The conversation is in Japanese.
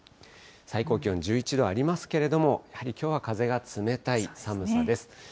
最高気温１１度ありますけれども、やはりきょうは風が冷たい寒さです。